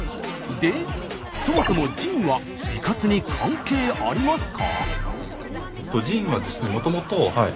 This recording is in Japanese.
でそもそもジンは美活に関係ありますか？